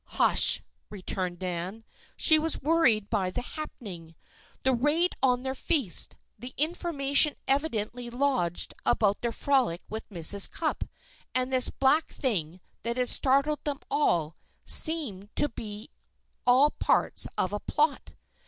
"Hush!" returned Nan. She was worried by the happening. The raid on their feast, the information evidently lodged about their frolic with Mrs. Cupp, and this "black thing" that had startled them all, seemed to be all parts of a plot.